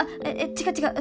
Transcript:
違う違う。